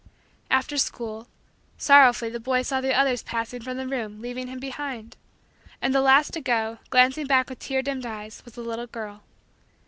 After school sorrowfully the boy saw the others passing from the room, leaving him behind. And the last to go, glancing back with tear dimmed eyes, was the little girl.